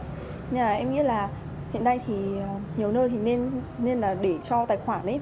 nhưng mà em nghĩ là hiện nay thì nhiều nơi thì nên là để cho tài khoản đấy